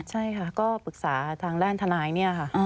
ใช่ค่ะก็ปรึกษาทางด้านทนายเนี่ยค่ะ